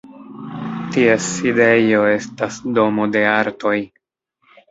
Ties sidejo estas Domo de artoj.